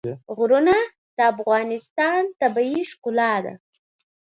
غرونه د افغانستان طبیعي ښکلا ده.